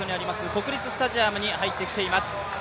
国立スタジアムに入ってきています。